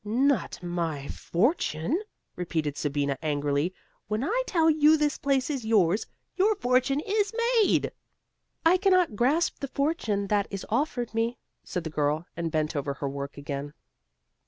"'Not my fortune!'" repeated Sabina angrily, "when I tell you this place is yours! Your fortune is made." "I cannot grasp the fortune that is offered me," said the girl, and bent over her work again.